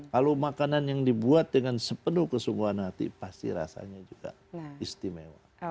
kalau makanan yang dibuat dengan sepenuh kesungguhan hati pasti rasanya juga istimewa